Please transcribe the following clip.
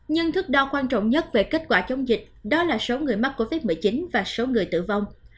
nhưng thước đo quan trọng nhất về kết quả chống dịch đó là số người mắc covid một mươi chín và số người tử vong